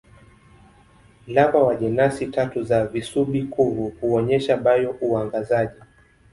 Lava wa jenasi tatu za visubi-kuvu huonyesha bio-uangazaji.